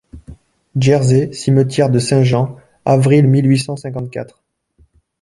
Jersey, cimetière de Saint-Jean, avril mille huit cent cinquante-quatre.